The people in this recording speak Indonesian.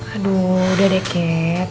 aduh udah deh kat